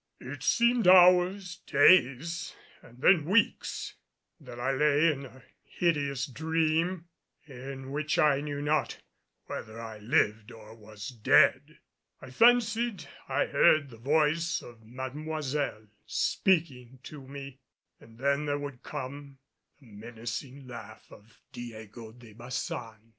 It seemed hours, days and then weeks that I lay in a hideous dream in which I knew not whether I lived or was dead. I fancied I heard the voice of Mademoiselle speaking to me and then there would come the menacing laugh of Diego de Baçan.